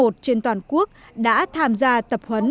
trên toàn quốc đã tham gia tập huấn